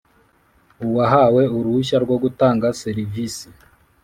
Uwahawe uruhushya rwo gutanga serivisi